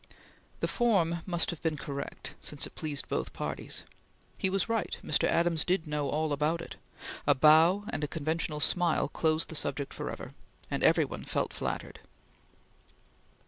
The form must have been correct since it released both parties. He was right; Mr. Adams did know all about it; a bow and a conventional smile closed the subject forever, and every one felt flattered.